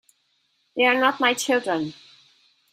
They're not my children.